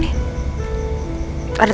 tidak pak bos